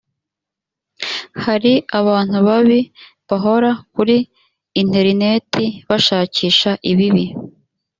hari abantu babi bahora kuri interineti bashakisha ibibi.